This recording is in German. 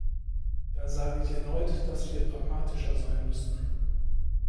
Da sage ich erneut, dass wir pragmatischer sein müssten.